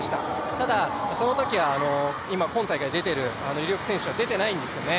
ただ、そのときは今大会出ている有力選手は出ていないんですよね。